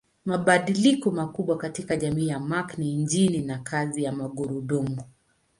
Mabadiliko makubwa katika jamii ya Mark ni injini na kazi ya magurudumu.